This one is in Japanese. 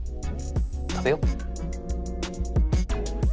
食べよう。